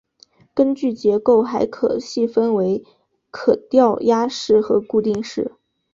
根据结构还可细分为可调压式和固定式。